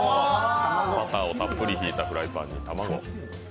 バターをたっぷりひいたフライパンに卵。